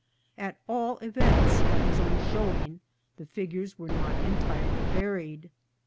At all events, by his own showing, the figures were not entire ly buried.